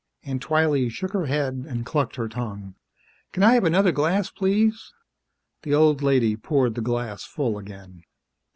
Aunt Twylee shook her head and clucked her tongue. "Can I have another glass? Please?" The old lady poured the glass full again.